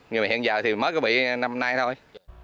nhưng mà hiện giờ thì mới có bị năm nay thôi